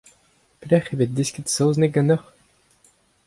Pelec'h eo bet desket saozneg ganeoc'h ?